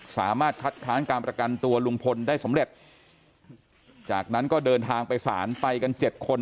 สามารถคัดค้านการประกันตัวลุงพลได้สำเร็จจากนั้นก็เดินทางไปศาลไปกันเจ็ดคน